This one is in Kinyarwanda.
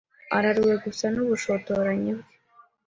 araruwe gusa n’ubushotoranyi bwe